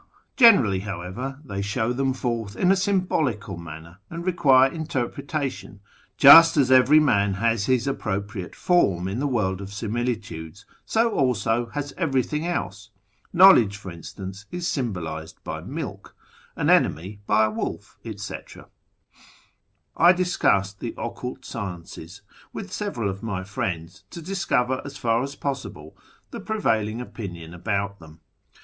Generally, however, thej^ .show them forth in a symbolical manner, and require interpretation. Just as every man has his appropriate " form " in the World of Similitudes, so also has everything else, Knoivledge, for instance, is symbolised l)y milk ; an enemy by a wo//, etc. I discussed the occult sciences with several of my friends, to discover as far as possible the prevailing opinion about them.